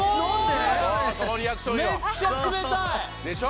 そのリアクションいいわでしょ